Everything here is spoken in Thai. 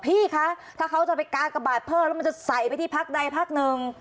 พี่คะถ้าเขาจะไปกากระบาดเพิ่มแล้วมันจะใส่ไปที่พักใดพักหนึ่ง